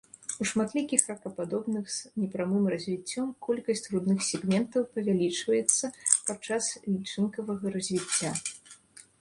У шматлікіх ракападобных з непрамым развіццём колькасць грудных сегментаў павялічваецца падчас лічынкавага развіцця.